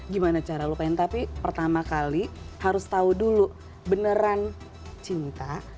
gimana cara lupain tapi pertama kali harus tahu dulu beneran cinta